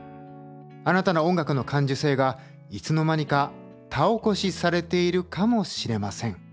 あなたの音楽の感受性がいつの間にか田起こしされているかもしれません。